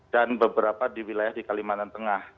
beberapa di wilayah di kalimantan tengah